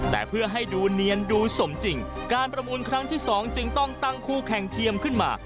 แต่เพื่อให้ดูเนียนดูสมจริงการประมูลครั้งที่สองจึงต้องตั้งคู่แข่งเทียมขึ้นมา